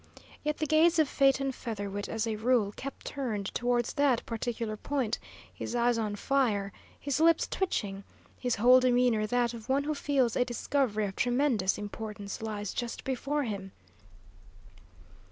Yet the gaze of Phaeton Featherwit as a rule kept turned towards that particular point, his eyes on fire, his lips twitching, his whole demeanour that of one who feels a discovery of tremendous importance lies just before him.